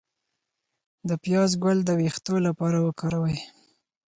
د پیاز ګل د ویښتو لپاره وکاروئ